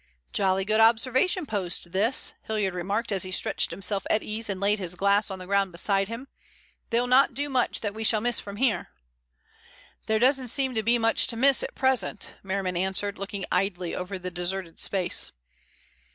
"Jolly good observation post, this," Hilliard remarked as he stretched himself at ease and laid his glass on the ground beside him. "They'll not do much that we shall miss from here." "There doesn't seem to be much to miss at present," Merriman answered, looking idly over the deserted space.